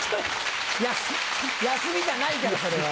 休みじゃないからそれは。